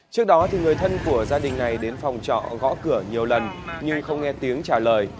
trước đó người thân của gia đình này đến phòng trọ gõ cửa nhiều lần nhưng không nghe tiếng trả lời